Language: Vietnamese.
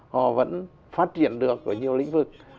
họ vẫn phát triển được ở nhiều lĩnh vực